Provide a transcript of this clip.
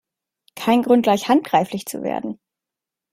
Kein Grund, gleich handgreiflich zu werden!